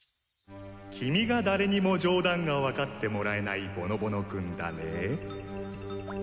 君が誰にもジョーダンが分かってもらえないぼのぼの君だね？